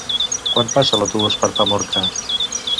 Quan passa l'autobús per Famorca?